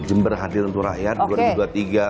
jember hadir untuk rakyat